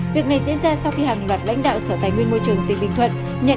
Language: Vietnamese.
việc này diễn ra sau khi hàng loạt lãnh đạo sở tài nguyên môi trường tỉnh bình thuận nhận